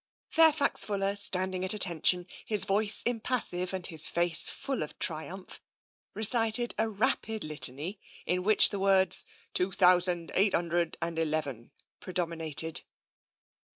Fairfax Fuller, standing at attention, his voice im passive, and his face full of triumph, recited a rapid litany, in which the words " two thousand eight hun dred and eleven " predominated.